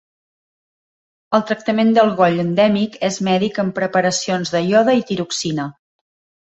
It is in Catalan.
El tractament del goll endèmic és mèdic amb preparacions de iode i tiroxina.